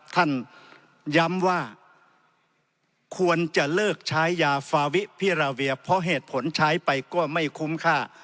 ท่านย้ำว่าควรจะเลิกใช้ยาฟาวิพิราเวียเพราะเหตุผลใช้ไปก็ไม่คุ้มค่า